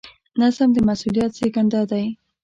نظم د مسؤلیت زېږنده دی.